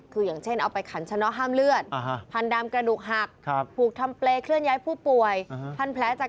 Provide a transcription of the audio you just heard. คืออย่างเช่นเอาไปขันชะน้อห้ามเลือดพันธุ์ดำกระดูกหัก